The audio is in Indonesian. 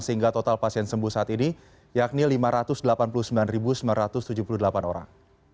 sehingga total pasien sembuh saat ini yakni lima ratus delapan puluh sembilan sembilan ratus tujuh puluh delapan orang